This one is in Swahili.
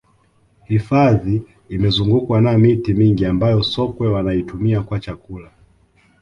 hifadhi imezungukwa na miti mingi ambayo sokwe wanaitumia kwa chakula